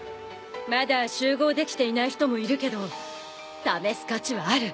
まだ集合できていない人もいるけど試す価値はある。